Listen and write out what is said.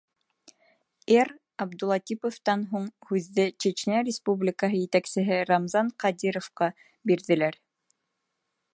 Р. Абдулатиповтан һуң һүҙҙе Чечня Республикаһы етәксеһе Рамзан Ҡадировҡа бирҙеләр.